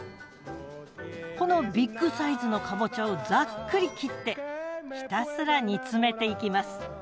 このビッグサイズのかぼちゃをざっくり切ってひたすら煮詰めていきます。